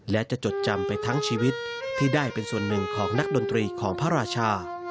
และจะจดจำไปทั้งชีวิตที่ได้เป็นส่วนหนึ่งของนักดนตรีของพระราชา